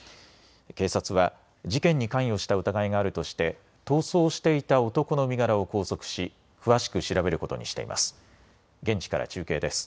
警察は事件に関与した疑いがあるとして逃走していた男の身柄を拘束し詳しく調べることにしています。